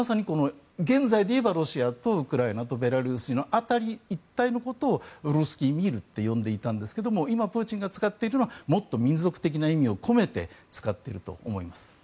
現在でいえばロシアとウクライナとベラルーシの辺り一帯のことをルースキー・ミールと呼んでいたんですが今、プーチンが使っているのはもっと民族的な意味を込めて使っていると思います。